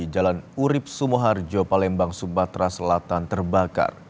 jalan urib sumoharjo palembang sumatera selatan terbakar